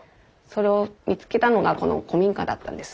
それを見つけたのがこの古民家だったんです。